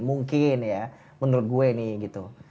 mungkin ya menurut gue nih gitu